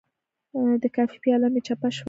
د کافي پیاله مې چپه شوه.